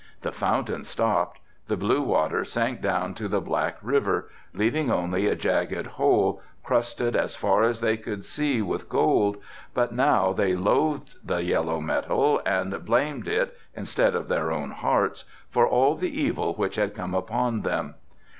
The fountain stopped, the blue water sank down to the black river, leaving only a jagged hole, crusted as far as they could see with gold, but now they loathed the yellow metal and blamed it, instead of their own hearts, for all the evil which had come upon them.